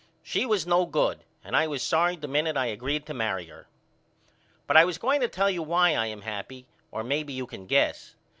She was no good and I was sorry the minute I agreed to marry her. But I was going to tell you why I am happy or maybe you can guess.